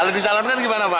kalau dicalonkan gimana pak